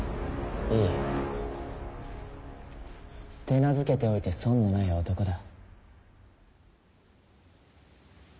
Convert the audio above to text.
手なずけておいて損のない男だ。